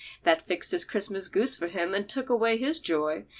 That fixed his Christmas goose for him, and took away his joy.